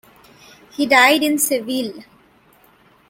He died in Seville.